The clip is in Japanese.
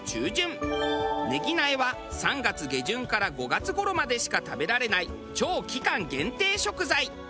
ねぎ苗は３月下旬から５月頃までしか食べられない超期間限定食材。